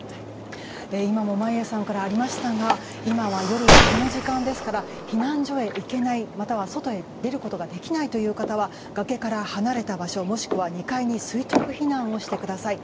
今も眞家さんからありましたが今は夜で、この時間ですから避難所へ行けない、または外に出ることができないという方は崖から離れた場所もしくは２階に垂直避難をしてください。